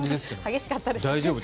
激しかったですね。